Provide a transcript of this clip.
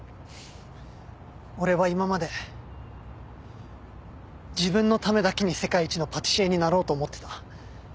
俺は今まで自分のためだけに世界一のパティシエになろうと思ってた。